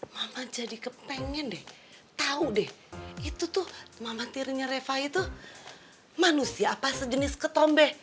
malah jadi kepengen deh tau deh itu tuh mama tirinya refa itu manusia apa sejenis ketombek